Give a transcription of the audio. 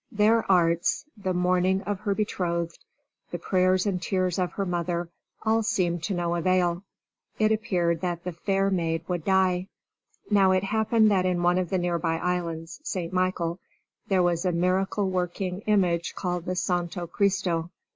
Their arts, the mourning of her betrothed, the prayers and tears of her mother, all seemed of no avail. It appeared that the fair maid would die. [Illustration: It appeared that the fair maid would die] Now it happened that in one of the nearby islands, St. Michael, there was a miracle working image called the Santo Christo.